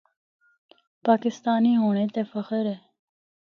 پاکستانی ہونڑے تے فخر اے۔